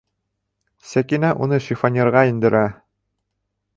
Сәкинә уны шифоньерға индерә.